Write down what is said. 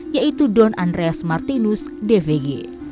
yaitu don andreas martinus dvg